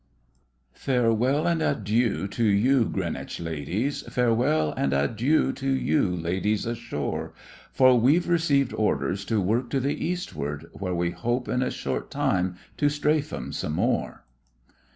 Farewell and adieu to you, Greenwich ladies. Farewell and adieu to you, ladies ashore ! For we've received orders to work to the eastward Where we hope in a short time to strafe 'em some more.